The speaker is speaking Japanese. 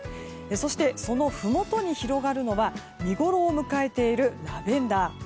そして、そのふもとに広がるのは見ごろを迎えているラベンダー。